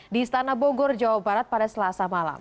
di istana bogor jawa barat pada selasa malam